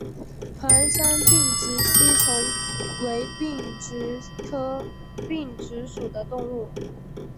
团山并殖吸虫为并殖科并殖属的动物。